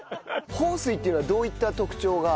豊水っていうのはどういった特徴が？